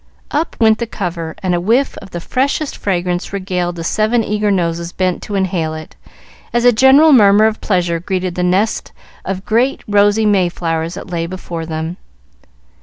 Up went the cover, and a whiff of the freshest fragrance regaled the seven eager noses bent to inhale it, as a general murmur of pleasure greeted the nest of great, rosy mayflowers that lay before them.